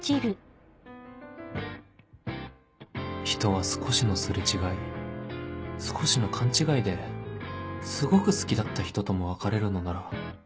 人は少しの擦れ違い少しの勘違いですごく好きだった人とも別れるのなら